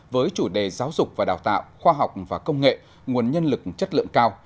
với chủ đề giáo dục và đào tạo khoa học và công nghệ nguồn nhân lực chất lượng cao